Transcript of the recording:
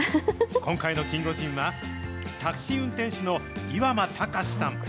今回のキンゴジンは、タクシー運転手の岩間孝志さん。